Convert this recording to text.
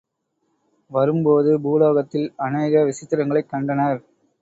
வரும்போது பூலோகத்தில் அநேக விசித்திரங்களைக் கண்டனர்.